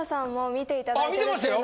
あ観てましたよ。